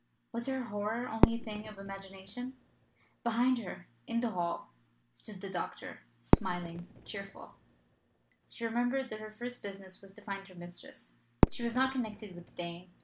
Was her horror only a thing of imagination? Behind her, in the hall, stood the doctor, smiling, cheerful. She remembered that her first business was to find her mistress. She was not connected with the Dane.